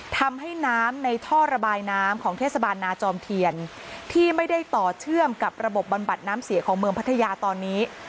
ทำให้น้ำในท่อระบายน้ำของเทศบาลนาจอมเทียนที่ไม่ได้ต่อเชื่อมกับระบบบำบัดน้ำเสียของเมืองพัทยาตอนนี้